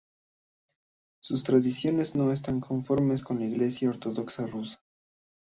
Sus tradiciones no están conformes con la Iglesia ortodoxa rusa.